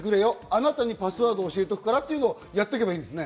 あなたにパスワード教えるから、というのをやっておけばいいです